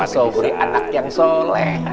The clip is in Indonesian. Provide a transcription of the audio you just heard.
sobri anak yang soleh